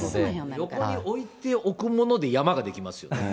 横に置いておくもので山が出来ますよ。